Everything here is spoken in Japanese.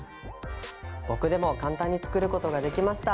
僕でも簡単に作ることができました！